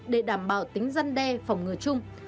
để đảm bảo tính giăn đe phòng ngừa chung